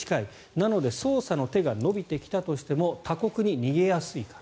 なので、捜査の手が伸びてきたとしても他国に逃げやすいから。